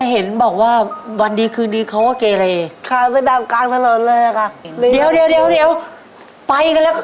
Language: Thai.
เห็นบอกว่าวันดีคืนนี้เขาว่าเกรล